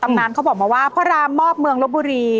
นานเขาบอกมาว่าพระรามมอบเมืองลบบุรี